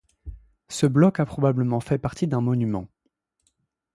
Ce bloc a probablement fait partie d'un monument.